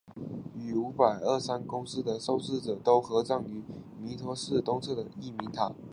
与五百三公祠的受祀者都合葬于弥陀寺东侧的义民塔。